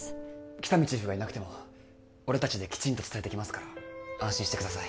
喜多見チーフがいなくても俺達できちんと伝えてきますから安心してください